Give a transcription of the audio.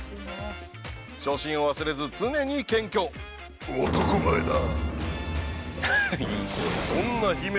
初心を忘れず常に謙虚男前だ！